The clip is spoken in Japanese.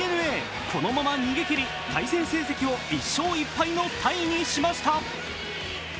このまま逃げきり対戦成績を１勝１敗のタイにしました。